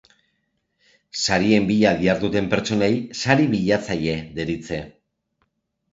Sarien bila diharduten pertsonei sari bilatzaile deritze.